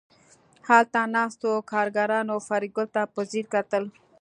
هلته ناستو کارګرانو فریدګل ته په ځیر کتل